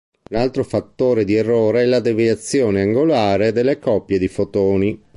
Un 'altro fattore di errore è la "deviazione angolare" delle coppie di fotoni.